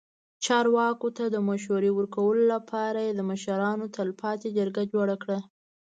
چارواکو ته د مشورې ورکولو لپاره یې د مشرانو تلپاتې جرګه جوړه کړه.